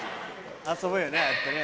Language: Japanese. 遊ぶよねああやってね。